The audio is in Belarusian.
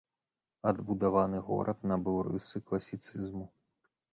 Адбудаваны горад набыў рысы класіцызму.